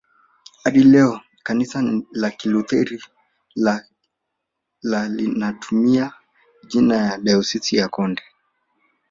Hadi leo kanisa la Kilutheri la linatumia jina dayosisi ya Konde